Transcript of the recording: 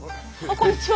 こんにちは。